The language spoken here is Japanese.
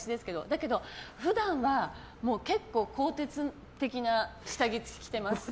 だけど普段は結構、鋼鉄的な下着を着てます。